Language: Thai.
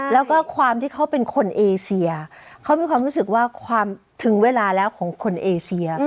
แล้วก็ความที่เขาเป็นคนเอเซียเขามีความรู้สึกว่าความถึงเวลาแล้วของคนเอเชีย